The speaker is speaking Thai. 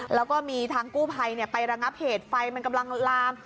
แล้วก็มีทางกู้ภัยไประงับเหตุไฟมันกำลังลาม